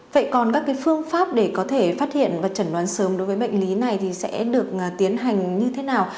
vậy còn các phương pháp để có thể phát hiện và chẩn đoán sớm đối với bệnh lý này thì sẽ được tiến hành như thế nào